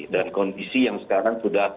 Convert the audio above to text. dan kondisi yang sekarang sudah